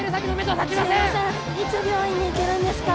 いつ病院に行けるんですか？